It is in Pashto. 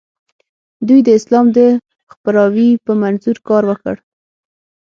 دوی د اسلام د خپراوي په منظور کار وکړ.